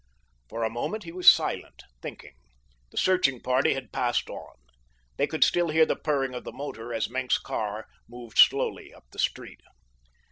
For a moment he was silent, thinking. The searching party had passed on. They could still hear the purring of the motor as Maenck's car moved slowly up the street.